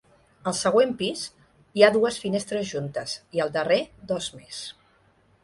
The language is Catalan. Al següent pis, hi ha dues finestres juntes, i al darrer dos més.